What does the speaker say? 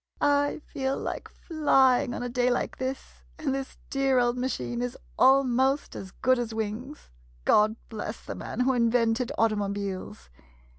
I feel like flying on a day like this, and this dear old machine is almost as good as wings ! God bless the man who invented automo biles.